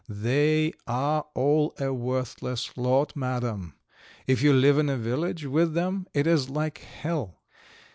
They are all a worthless lot, Madam. If you live in a village with them it is like hell.